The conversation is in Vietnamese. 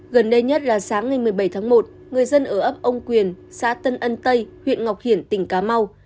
gần đây nhất là sáng ngày một mươi bảy tháng một người dân ở ấp âu quyền xã tân ân tây huyện ngọc hiển tỉnh cà mau